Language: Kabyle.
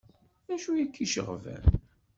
D acu ay k-iceɣben?